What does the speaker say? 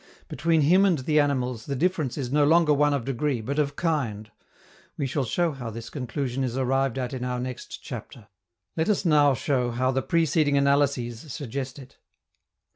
Between him and the animals the difference is no longer one of degree, but of kind. We shall show how this conclusion is arrived at in our next chapter. Let us now show how the preceding analyses suggest it.